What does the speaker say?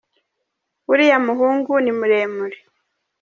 Uriya umuhungu ni muremure.